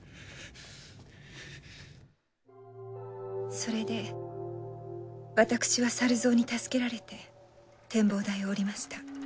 それで私は猿蔵に助けられて展望台をおりました。